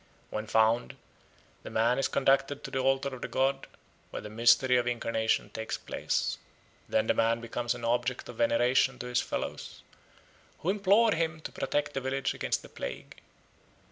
When found, the man is conducted to the altar of the god, where the mystery of incarnation takes place. Then the man becomes an object of veneration to his fellows, who implore him to protect the village against the plague.